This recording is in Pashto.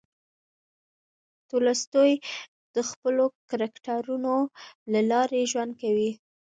تولستوی د خپلو کرکټرونو له لارې ژوند کوي.